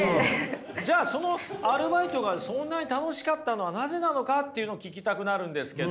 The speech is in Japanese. じゃあそのアルバイトがそんなに楽しかったのはなぜなのかっていうのを聞きたくなるんですけど。